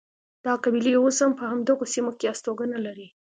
دا قبیلې اوس هم په همدغو سیمو کې هستوګنه لري.